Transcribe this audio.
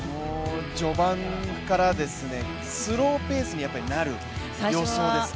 序盤からスローペースになる予想ですか。